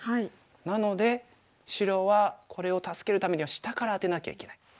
なので白はこれを助けるためには下からアテなきゃいけない。